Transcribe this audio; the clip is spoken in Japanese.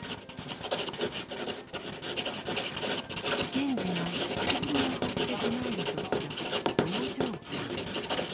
賢治が執筆にあたって唱えるとした「道場観」。